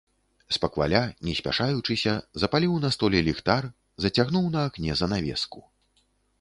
Спакваля, не спяшаючыся, запаліў на столі ліхтар, зацягнуў на акне занавеску.